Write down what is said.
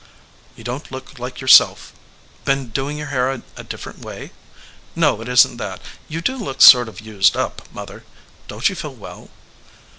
"You don t look like yourself. Been doing your hair a different way? No, it isn t that. You do look sort of used up, mother. Don t you feel well?"